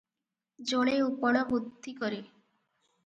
ଜଳେ ଉପଳ ବୁଦ୍ଧି କରି ।